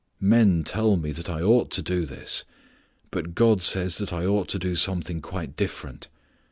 Men tell me that I ought to do this. But God says that I ought to do something quite different.